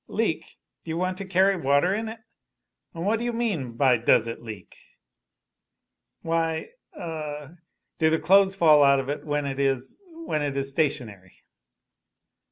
"Leak? Do you want to carry water in it? What do you mean by does it leak?" "Why a do the clothes fall out of it when it is when it is stationary?"